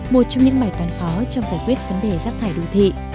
một trong những bài toán khó trong giải quyết vấn đề rác thải đô thị